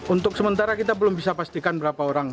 untuk sementara kita belum bisa pastikan berapa orang